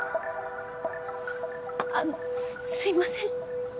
あのすいません。